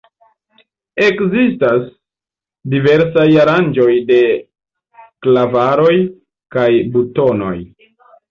Ekzistas diversaj aranĝoj de klavaroj kaj butonoj.